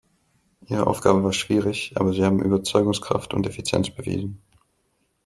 Ihre Aufgabe war schwierig, aber Sie haben Überzeugungskraft und Effizienz bewiesen.